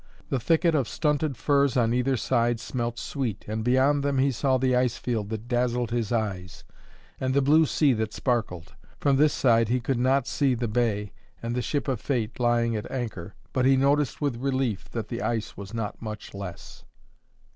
The thicket of stunted firs on either side smelt sweet, and beyond them he saw the ice field that dazzled his eyes, and the blue sea that sparkled. From this side he could not see the bay and the ship of fate lying at anchor, but he noticed with relief that the ice was not much less.